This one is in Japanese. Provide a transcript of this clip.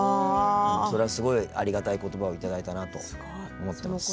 それは、すごいありがたい言葉をいただいたなと思ってます。